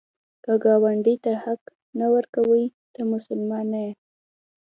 که ګاونډي ته حق نه ورکوې، ته مسلمان نه یې